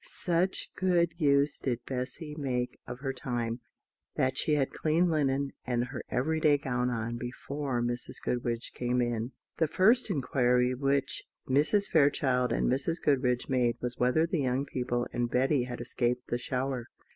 Such good use did Bessy make of her time that she had clean linen and her everyday gown on before Mrs. Goodriche came in. The first inquiry which Mrs. Fairchild and Mrs. Goodriche made was whether the young people and Betty had escaped the shower.